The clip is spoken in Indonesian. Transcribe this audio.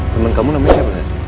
temen kamu namanya siapa